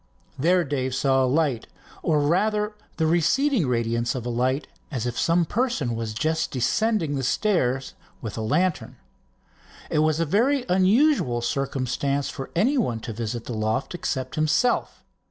There Dave saw a light, or rather the receding radiance of a light, as if some person was just descending the stairs with a lantern. It was a very unusual circumstance for anybody to visit the loft except himself.